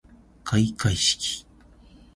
開会式